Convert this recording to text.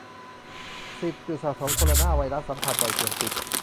สิบ จุดสะสมโคโรนาไวรัส สัมผัสบ่อยเสี่ยงติด